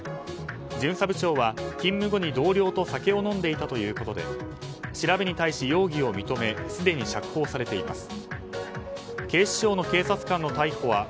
巡査部長は勤務後に同僚と酒を飲んでいたということで調べに対し容疑を認めすでに釈放されています。